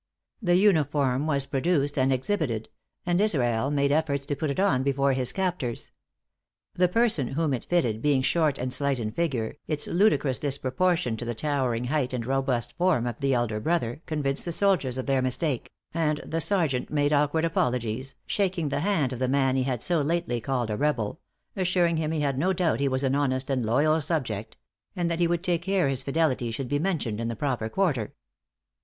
The uniform was produced and exhibited; and Israel made efforts to put it on before his captors. The person whom it fitted being short and slight in figure, its ludicrous disproportion to the towering height and robust form of the elder brother, convinced the soldiers of their mistake; and the sergeant made awkward apologies, shaking the hand of the man he had so lately called a rebel, assuring him he had no doubt he was an honest and loyal subject; and that he would take care his fidelity should be mentioned in the proper quarter.